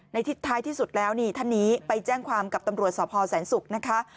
ท้ายที่สุดแล้วนี่ท่านนี้ไปแจ้งความกับตำรวจสพแสนศุกร์นะคะ